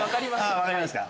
分かりますか。